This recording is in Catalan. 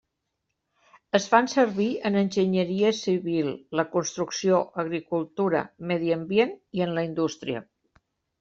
Es fan servir en enginyeria civil, la construcció, agricultura, medi ambient i en la indústria.